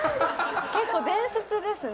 結構伝説ですね。